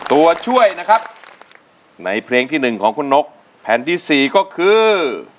ตัวช่วยนะครับในเพลงที่๑ของคุณนกแผ่นที่๔ก็คือ